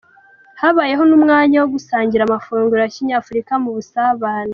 habayeho n’umwanya wo gusangira amafunguro ya kinyafurika mu busabane.